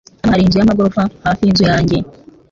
Hano hari inzu yamagorofa hafi yinzu yanjye.